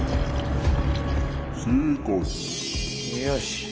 よし。